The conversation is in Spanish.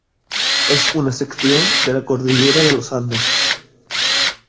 Es una sección de la cordillera de los Andes.